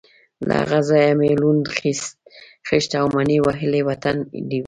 له هغه ځایه مې لوند، خېشت او مني وهلی وطن ولید.